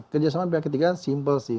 kerjasama pihak ketiga simpel sih